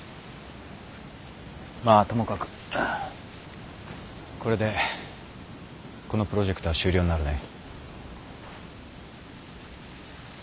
まあともかくこれでこのプロジェクトは終了になるね。